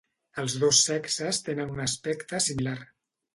Els dos sexes tenen un aspecte similar.